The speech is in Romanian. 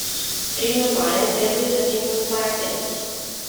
Prin urmare, trebuie să fim mult mai atenți.